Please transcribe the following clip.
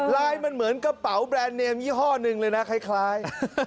ลายมันเหมือนกระเป๋าแบรนด์เนมยี่ห้อหนึ่งเลยนะคล้าย